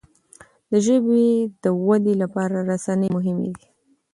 د ژبي د ودې لپاره رسنی مهمي دي.